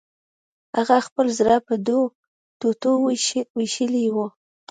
هغه خپل زړه په دوو ټوټو ویشلی و